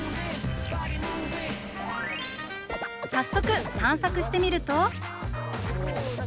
早速探索してみると。